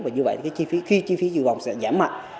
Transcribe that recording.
và như vậy khi chi phí dự vòng sẽ giảm mạnh